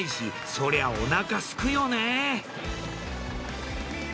そりゃお腹すくよね。